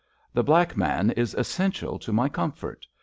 The black man is essential to my comfort.